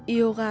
yoga chữa lành